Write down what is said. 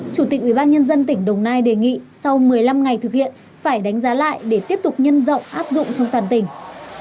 chủ tịch ubnd tỉnh đồng nai đề nghị sau một mươi năm ngày thực hiện phải đánh giá lại để tiếp tục nhân rộng áp dụng trong toàn tỉnh